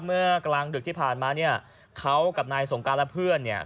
เมื่อกลางดึกที่ผ่านมาเนี่ยเขากับนายสงการและเพื่อนเนี่ย